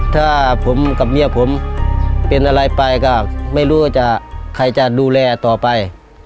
ถ้าผมกับเมียผมเป็นอะไรไปก็ไม่รู้ว่าจะใครจะดูแลต่อไป